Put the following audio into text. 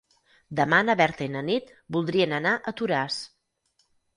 Demà na Berta i na Nit voldrien anar a Toràs.